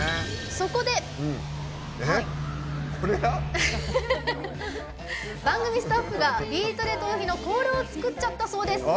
そこで番組スタッフが「ビートＤＥトーヒ」のコールを作っちゃったそうです。